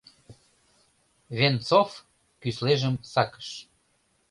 Венцов кӱслежым сакыш.